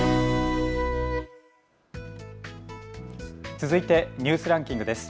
続いてニュースランキングです。